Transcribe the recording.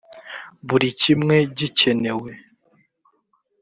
burikimwe gikenewe